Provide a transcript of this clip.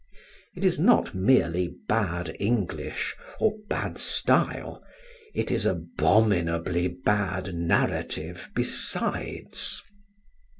It is not merely bad English, or bad style; it is abominably bad narrative besides.